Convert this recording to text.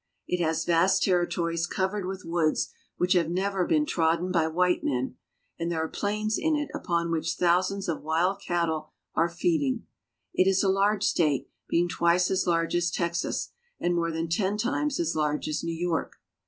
It has vast territories covered with woods which have never been trodden by white men, and there are plains in it upon which thou sands of wild cattle are feeding. It is a large state, being twice as large as Texas and more than ten times as large as New York.